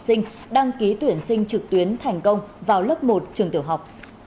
học sinh đăng ký tuyển sinh trực tuyến thành công vào lớp một trường tiểu học